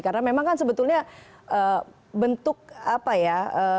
karena memang kan sebetulnya bentuk apa ya